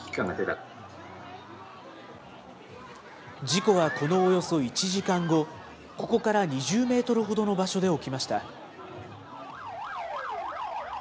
事故はこのおよそ１時間後、ここから２０メートルほどの場所で起きました。